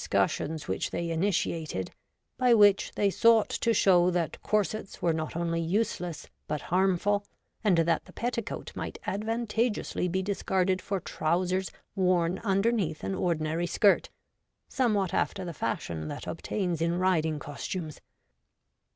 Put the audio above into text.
43 cussions which they initiated, by which they sought to show that corsets were not only useless but harmful, and that the petticoat might advantageously be discarded for trousers worn underneath an ordinary skirt, somewhat after the fashion that obtains in riding costumes.